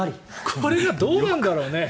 これはどうなんだろうね？